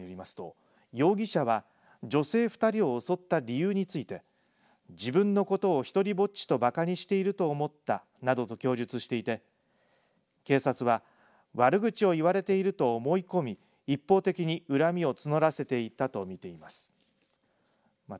捜査関係者によりますと容疑者は女性２人を襲った理由について自分のことを１人ぼっちとばかにしていると思ったなどと供述していて警察は悪口を言われていると思い込み一方的に恨みを募らせていったと見ています。